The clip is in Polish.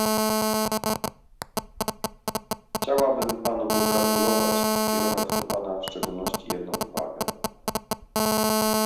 Chciałabym panu pogratulować i skierować do pana w szczególności jedną uwagę